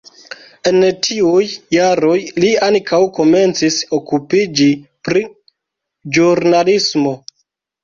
En tiuj jaroj li ankaŭ komencis okupiĝi pri ĵurnalismo.